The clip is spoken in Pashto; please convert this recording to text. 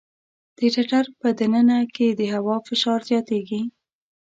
د ټټر په د ننه کې د هوا فشار زیاتېږي.